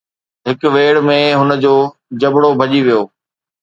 هڪ ويڙهه ۾ هن جو جبرو ڀڄي ويو.